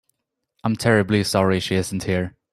I'm terribly sorry she isn't here.